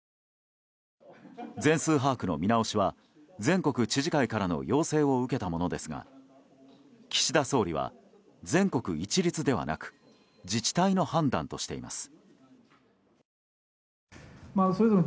全数把握の見直しは全国知事会からの要請を受けたものですが岸田総理は全国一律ではなく自治体の判断としています。